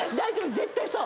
絶対そう！